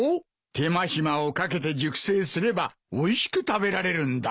手間暇を掛けて熟成すればおいしく食べられるんだ。